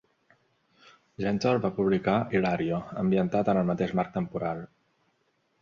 Gentle va publicar "Ilario", ambientat en el mateix marc temporal.